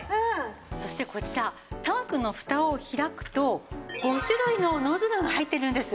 そしてこちらタンクのフタを開くと５種類のノズルが入ってるんです。